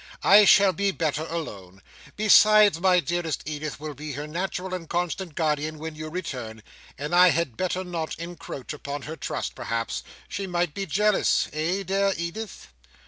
I shall be better alone. Besides, my dearest Edith will be her natural and constant guardian when you return, and I had better not encroach upon her trust, perhaps. She might be jealous. Eh, dear Edith?"